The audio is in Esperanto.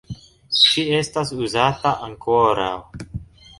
Ĝi estas uzata ankoraŭ.